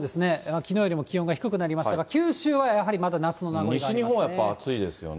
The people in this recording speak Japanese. きのうよりも気温が低くなりましたが、九州はやはりまだ夏の名残がありますね。